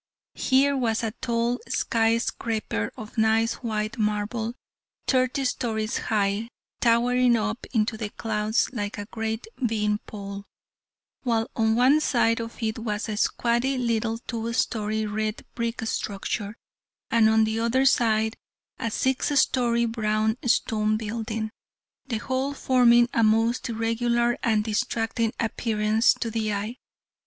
Here was a tall skyscraper of nice white marble thirty stories high, towering up into the clouds like a great beanpole, while on one side of it was a squatty little two story red brick structure, and on the other side a six story brown stone building, the whole forming a most irregular and distracting appearance to the eye.